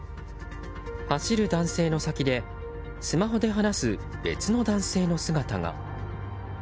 走る男性の先でスマホで話す別の男性の姿が。